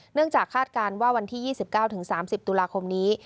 เนื่องจากคาดการณ์ว่าวันที่๒๙๓๐ตุลาคมนี้